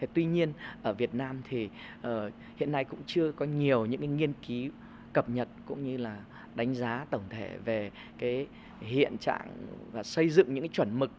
tuy nhiên ở việt nam thì hiện nay cũng chưa có nhiều những nghiên cứu cập nhật cũng như là đánh giá tổng thể về hiện trạng và xây dựng những chuẩn mực